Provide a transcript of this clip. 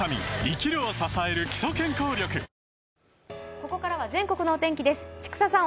ここからは全国のお天気です。